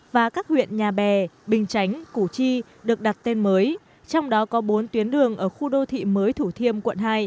và các huyện nhà bè bình chánh củ chi được đặt tên mới trong đó có bốn tuyến đường ở khu đô thị mới thủ thiêm quận hai